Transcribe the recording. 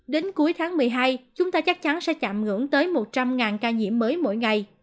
đến cuối tháng một mươi hai chúng ta chắc chắn sẽ chạm ngưỡng tới một trăm linh ca nhiễm mới mỗi ngày